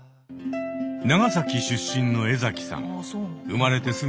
長崎出身のエザキさん。